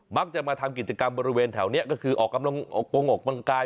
มักจะมาทำกิจกรรมบริเวณแถวนี้ก็คือออกกำลังออกกงออกกำลังกาย